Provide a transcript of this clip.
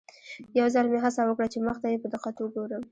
یو ځل مې هڅه وکړه چې مخ ته یې په دقت وګورم.